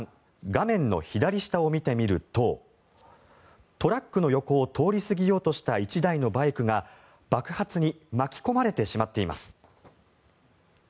画面の左下を見てみるとトラックの横を通り過ぎようとした１台のバイクが爆発に巻き込まれてしまっています。